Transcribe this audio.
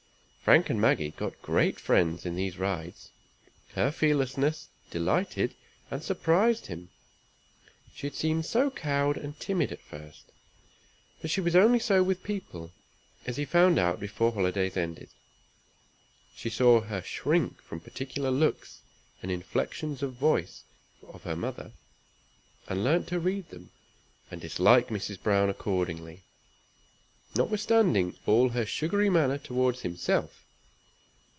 Frank and Maggie got great friends in these rides. Her fearlessness delighted and surprised him, she had seemed so cowed and timid at first. But she was only so with people, as he found out before holidays ended. He saw her shrink from particular looks and inflexions of voice of her mother's; and learnt to read them, and dislike Mrs. Browne accordingly, notwithstanding all her sugary manner toward himself.